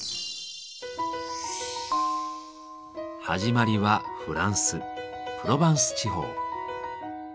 始まりはフランス・プロバンス地方。